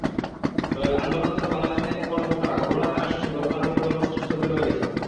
তবে আন্দোলনরত বাংলাদেশ ব্যাংকের কর্মকর্তারা গভর্নরের আশ্বাসে গতকাল থেকে কর্মসূচি স্থগিত রেখেছেন।